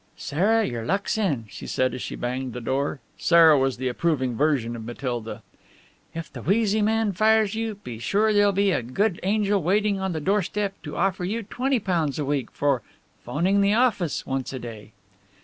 "Sarah, your luck's in," she said, as she banged the door Sarah was the approving version of Matilda. "If the wheezy man fires you, be sure there'll be a good angel waiting on the doorstep to offer you £20 a week for 'phoning the office once a day."